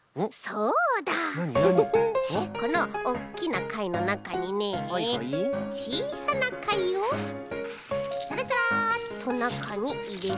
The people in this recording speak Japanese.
このおっきなかいのなかにねちいさなかいをザラザラッとなかにいれて。